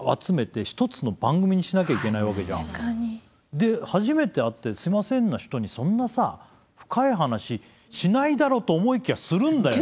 で初めて会って「すいません」の人にそんなさ深い話しないだろうと思いきやするんだよ。